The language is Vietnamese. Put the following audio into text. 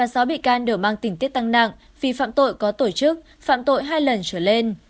ba sáu bị can đều mang tỉnh tiết tăng nặng vì phạm tội có tổ chức phạm tội hai lần trở lên